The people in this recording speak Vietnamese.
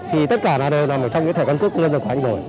thì tất cả là đều là một trong những thẻ căn cước công dân dân khoản rồi